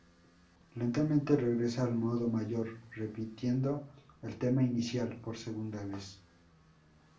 Lentamente, regresa al modo mayor, repitiendo el tema inicial por segunda vez.